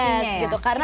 yes gitu karena